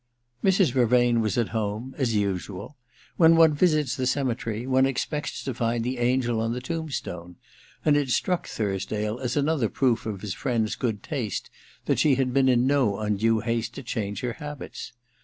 Mrs. Vervain was at home — as usual. When one visits the cemetery one expects to find the angel on the tombstone, and it struck Thursdale as another proof of his friend's good taste that she had been in no undue haste to change her habits.